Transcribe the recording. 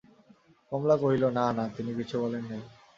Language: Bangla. কমলা কহিল, না না, তিনি কিছুই বলেন নাই।